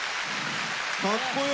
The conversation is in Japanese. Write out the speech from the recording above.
かっこよ！